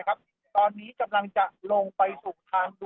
กินดอนเมืองในช่วงเวลาประมาณ๑๐นาฬิกานะครับ